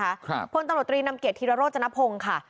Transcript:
ครับพลตำรวจตรีนำเกียจธิรโรจนพงศ์ค่ะ